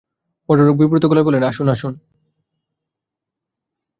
ভদ্রলোক বিব্রত গলায় বললেন, আসুন, আসুন।